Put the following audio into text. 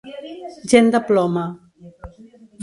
Gent de ploma.